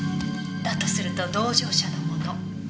だとすると同乗者のもの。